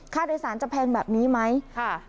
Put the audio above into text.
ค่าโดยสารจะแพงแบบนี้ไหมค่ะ